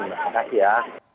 terima kasih ya